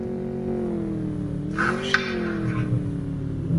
وروسته څو نمونې یادې کړو